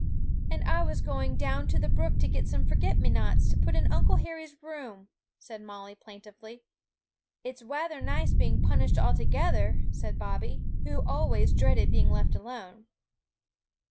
'And I was going down to the brook to get some forget me nots, to put in Uncle Harry's room,' said Molly plaintively. 'It's wather nice being punished all together,' said Bobby, who always dreaded being left alone.